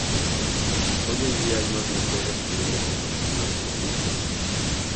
Hoy en día hay más mujeres que hombres en los gimnasios suizos.